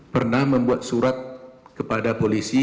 pernah membuat surat kepada polisi